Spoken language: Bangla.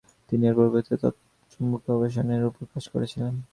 তিনি এর পরিবর্তে তড়িৎচুম্বকীয় আবেশন এর উপর কাজ করেছিলেন।